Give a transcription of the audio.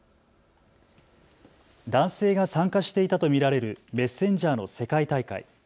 男性が参加していたと見られるメッセンジャーの世界大会。